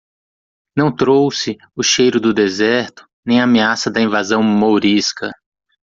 Não trouxe o cheiro do deserto nem a ameaça da invasão mourisca.